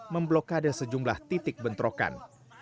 memblokade sejumlah titik bentrokan